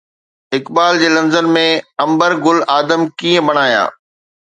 اقبال جي لفظن ۾، عنبر گل آدم ڪيئن بڻايان؟